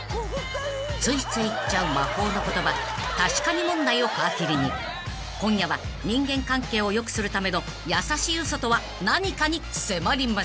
［ついつい言っちゃう魔法の言葉確かに問題を皮切りに今夜は人間関係を良くするための優しい嘘とは何かに迫ります］